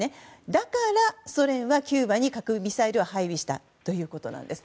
だからソ連はキューバに核ミサイルを配備したということなんです。